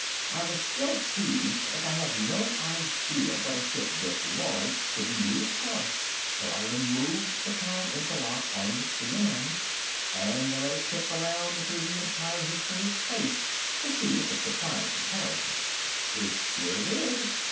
"I was still teased, as I had no idea what a ship this large could be used for. So I removed the time interlock on the C & M and let it pick around through the entire history of space to see if it could find a comparison. It sure did.